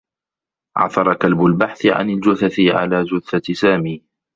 عثر كلب البحث عن الجثث على جثّة سامي.